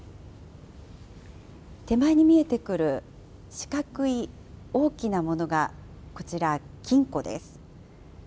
手前に見えてくる四角い大きなものが、こちら、金庫です。